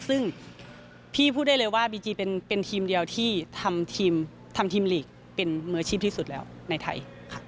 ซึ่งพี่พูดได้เลยว่าบีจีเป็นทีมเดียวที่ทำทีมหลีกเป็นมืออาชีพที่สุดแล้วในไทยค่ะ